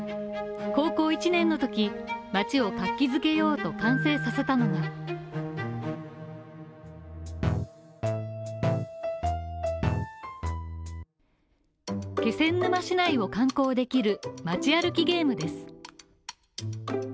高校１年のとき町を活気づけようと完成させたのが気仙沼市内を観光できる町歩きゲームです。